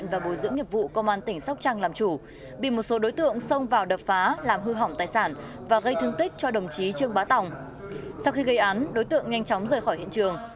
sau khi gây án đối tượng nhanh chóng rời khỏi hiện trường